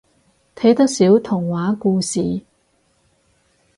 睇得少童話故事？